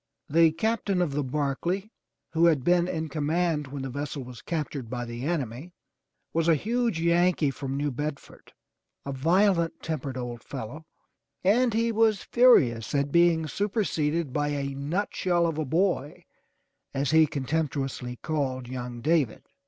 The Captain of the Barclay who had been in command when the vessel was captured by the enemy, was a huge Yankee from New Bedford, a violent tempered old fellow, and he was furious at being superseded by a nutshell of a boy as he contemptuously called young David.